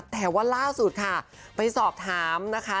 แต่ว่าล่าสุดค่ะไปสอบถามนะคะ